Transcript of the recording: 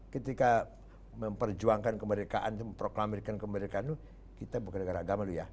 ketika memperjuangkan kemerdekaan itu memproklamirkan kemerdekaan itu kita bukan negara agama dulu ya